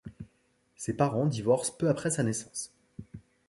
Ses parents divorcent peu après sa naissance.